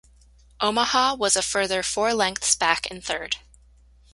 Omaha was a further four lengths back in third.